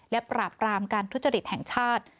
และปราบรามการทุจริตแห่งชาติ